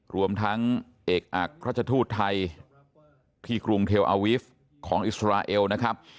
รวมทั้งเอกอักราชทูตไทยที่กรุงเทลอาวิฟต์ของอิสราเอลนะครับ